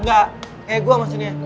enggak kayak gua maksudnya